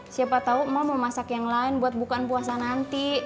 siapa tahu mau masak yang lain buat bukaan puasa nanti